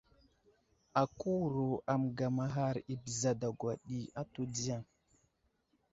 Akáwuro a məgamaghar i bəra dagwa ɗi atu diya ?